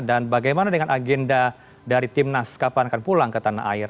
dan bagaimana dengan agenda dari tim nas kapan akan pulang ke tanah air